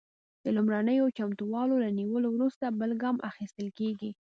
د لومړنیو چمتووالو له نیولو وروسته بل ګام اخیستل کیږي.